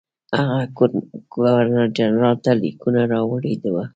هغه ګورنرجنرال ته لیکونه راوړي وو.